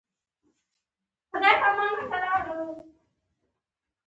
لیکوال قصدا له بل لیدلوري دنیا ته ګوري.